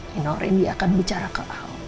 you know rendy akan bicara ke al